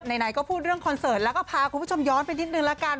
ไหนก็พูดเรื่องคอนเสิร์ตแล้วก็พาคุณผู้ชมย้อนไปนิดนึงละกัน